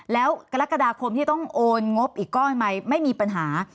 แล้วกรกฎาคมที่ต้องโอนงบอีกก้อนใหม่ไม่มีปัญหา